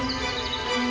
apa dia tidak pernah lelah